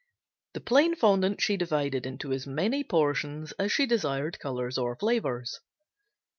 The plain fondant she divided into as many portions as she desired colors or flavors.